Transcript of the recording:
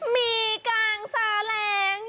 มีกางซาแหลง